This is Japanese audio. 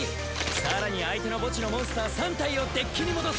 更に相手の墓地のモンスター３体をデッキに戻す。